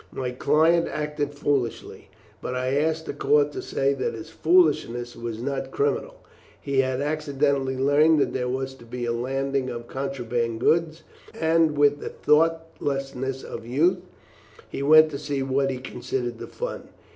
My client acted foolishly, but I ask the court to say that his foolishness was not criminal. He had accidentally learned that there was to be a landing of contraband goods, and, with the thoughtlessness of youth, he went to see what he considered the fun.